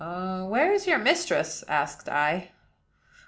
"Where is your mistress?" asked I.